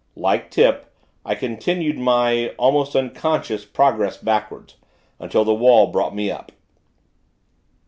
Like Tip, I continued my, almost unconscious, progress backward, until the wall brought me up.